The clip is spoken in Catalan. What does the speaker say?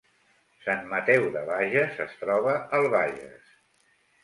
Sant Mateu de Bages es troba al Bages